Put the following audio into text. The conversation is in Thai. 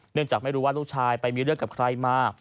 จากไม่รู้ว่าลูกชายไปมีเรื่องกับใครมา